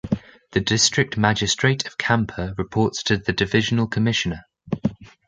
The District Magistrate of Kanpur reports to the Divisional Commissioner.